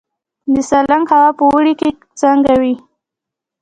د سالنګ هوا په اوړي کې څنګه وي؟